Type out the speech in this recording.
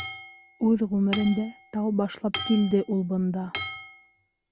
Үҙ ғүмерендә тәү башлап килде ул бында.